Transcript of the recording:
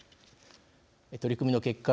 取り組みの結果